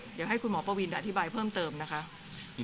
เดี๋ยวให้คุณหมอปวินอธิบายเพิ่มเติมนะคะ